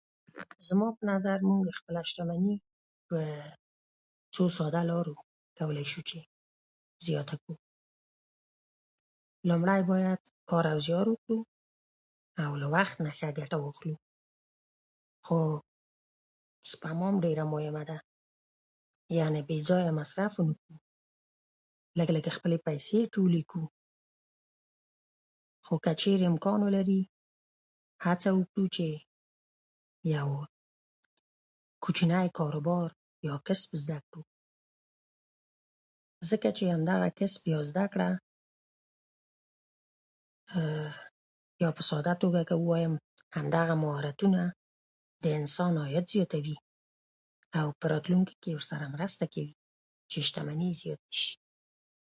زما په نظر موږ خپله شتمني په څو ساده لارو کولای شو چې زیاته کړو. لومړی باید کار او زیار وکړو، او له وخته نه پوره ګټه واخلو، خو سپما هم ډېره مهمه ده، یعنې بې ځایه مصرف هم لږ لږ خپلې پیسې ټولې کړو. خو که چېرې امکان ولري، هڅه وکړو چې یو کوچنی کاروبار او کسب زده کړو، ځکه چې همدا کسب او زده کړه یا په ساده توګه که ووایم، همدا مهارتونه د انسان عاید زیاتوي او په راتلونکي کې ورسره مرسته کوي چې شتمني زیاته شي.